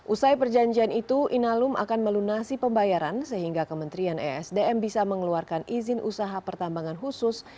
usai perjanjian itu inalum akan melunasi pembayaran sehingga kementerian esdm bisa mengeluarkan izin usaha pertambangan khusus